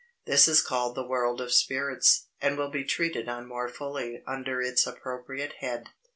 This is called the world of spirits, and will be treated on more fully under its appropriate head.